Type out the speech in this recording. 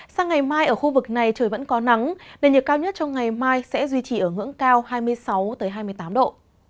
sang ngày mai ở khu vực này trời vẫn có nắng nền nhiệt cao nhất trong ngày mai sẽ duy trì ở ngưỡng cao hai mươi sáu hai mươi tám độ